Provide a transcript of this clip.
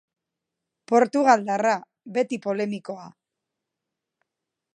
Portugaldarra, beti polemikoa.